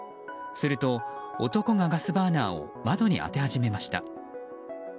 すると、男がガスバーナーを窓に当て始めました。